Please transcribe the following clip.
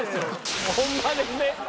ホンマですね？